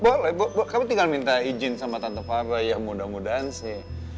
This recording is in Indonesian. boleh kamu tinggal minta izin sama tante pare ya mudah mudahan sih